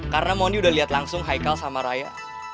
karena mondi udah liat langsung haikal sama raya